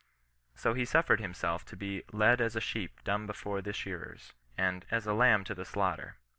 So he suffered himself to be " led as a sheep dumb before the shearers," and " as a lamb to the slaughter."